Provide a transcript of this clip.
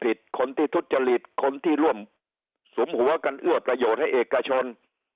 คนที่ทุจริตคนที่ร่วมสุมหัวกันเอื้อประโยชน์ให้เอกชน